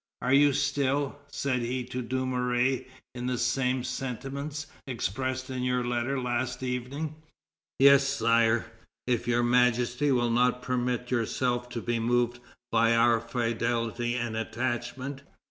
"Are you still," said he to Dumouriez, "in the same sentiments expressed in your letter last evening?" "Yes, Sire, if Your Majesty will not permit yourself to be moved by our fidelity and attachment."